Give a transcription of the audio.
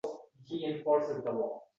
voqelikka ko‘zni ochib qarashiga undadi.